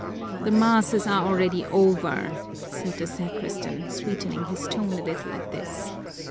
"The masses are already over," said the sacristan, sweetening his tone a little at this.